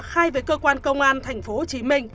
khai với cơ quan công an tp hcm